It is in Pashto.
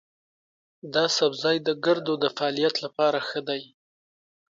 دا سبزی د ګردو د فعالیت لپاره ښه دی.